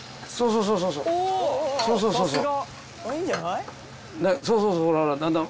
そうそうそうそう。